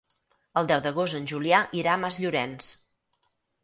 El deu d'agost en Julià irà a Masllorenç.